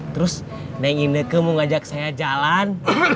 terus neng ineke mau ngajak saya jalan